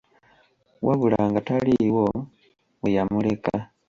Wabula nga taliiwo we yamuleka.